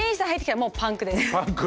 パンク。